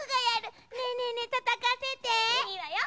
いいわよ。